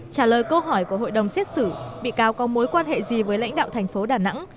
trả lời câu hỏi của hội đồng xét xử bị cáo có mối quan hệ gì với lãnh đạo thành phố đà nẵng